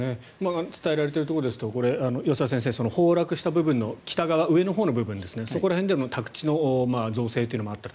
伝えられているところですと安田先生、崩落した部分の北側、上のほうの部分でも宅地の造成があった。